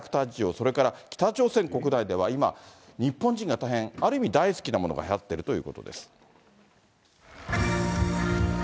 それから北朝鮮国内では今、日本人が大変、ある意味、大好きなものがはやってるということです。